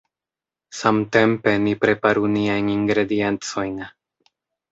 Samtempe ni preparu niajn ingrediencojn.